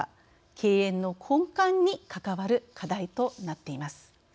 経営の根幹に関わる課題となっています。